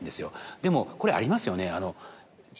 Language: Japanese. でもこれありますよね。